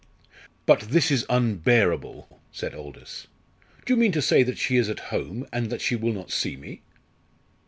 "But this is unbearable!" said Aldous. "Do you mean to say that she is at home and that she will not see me?"